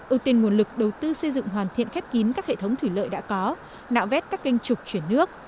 ưu tiên nguồn lực đầu tư xây dựng hoàn thiện khép kín các hệ thống thủy lợi đã có nạo vét các canh trục chuyển nước